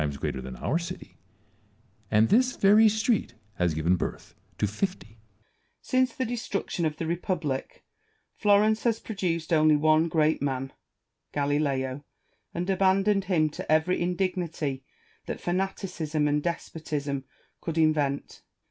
Since the destruction of the republic, Florence has produced only one great man, Galileo, and abandoned him to every indignity that fanaticism and despotism could invent.